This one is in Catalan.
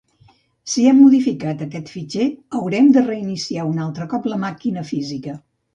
Si hem modificat aquest fitxer, haurem de reiniciar un altre cop la màquina física.